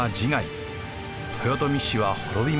豊臣氏は滅びました。